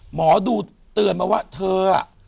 หมอดูเตือนมาว่าเธอ